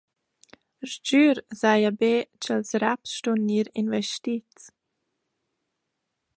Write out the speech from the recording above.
Sgür saja be cha’ls raps ston gnir investits.